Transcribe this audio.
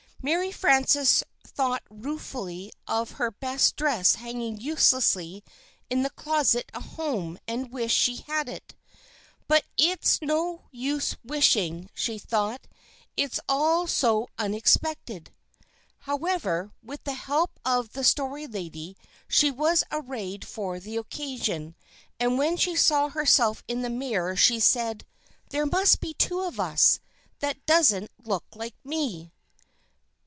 Mary Frances thought ruefully of her best dress hanging uselessly in the closet at home and wished she had it. "But it's no use wishing," she thought. "It's all so unexpected." However, with the help of the Story Lady, she was arrayed for the occasion, and when she saw herself in the mirror she said, "There must be two of us; that doesn't look like me."